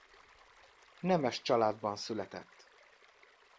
Nemes családban született.